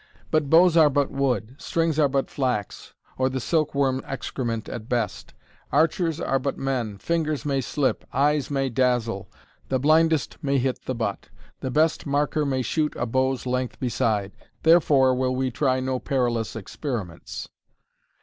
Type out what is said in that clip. But bows are but wood, strings are but flax, or the silk worm excrement at best; archers are but men, fingers may slip, eyes may dazzle, the blindest may hit the butt, the best marker may shoot a bow's length beside. Therefore will we try no perilous experiments."